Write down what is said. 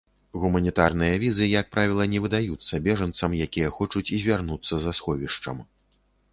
Гуманітарныя візы, як правіла, не выдаюцца бежанцам, якія хочуць звярнуцца за сховішчам.